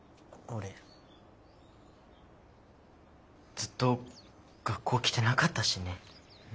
ずっと学校来てなかったしね。